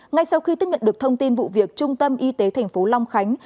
ngay sau khi tích nhận được thông tin vụ việc trung tâm y tế tp long khánh